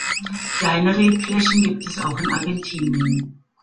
Kleine Rebflächen gibt es auch in Argentinien.